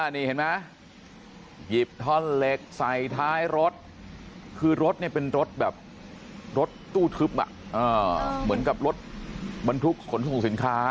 นี่เห็นไหมหยิบท่อนเหล็กใส่ท้ายรถคือรถเนี่ยเป็นรถแบบรถตู้ทึบเหมือนกับรถบรรทุกขนส่งสินค้า